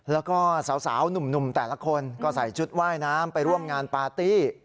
แล้วก็สาวหนุ่มแต่ละคนก็ใส่ชุดว่ายน้ำไปร่วมงานปาร์ตี้